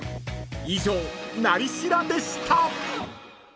［以上「なり調」でした］